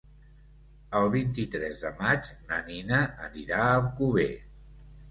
El vint-i-tres de maig na Nina anirà a Alcover.